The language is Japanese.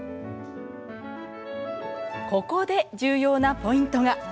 ここで重要なポイントが。